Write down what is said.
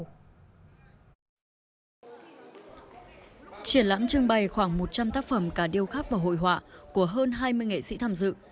triển lãm trưng bày khoảng một trăm linh tác phẩm cả điêu khắc và hội họa của hơn hai mươi nghệ sĩ tham dự